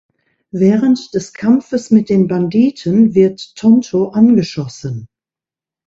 Während des Kampfes mit den Banditen wird Tonto angeschossen.